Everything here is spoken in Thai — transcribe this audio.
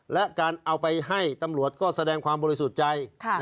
และการเอาไปให้ตำรวจก็แสดงความบริสุทธิ์ใจ